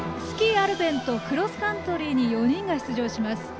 スキー・アルペンとクロスカントリーに４人が出場します。